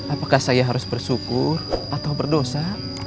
apakah saya harus bersyukur atau berdosa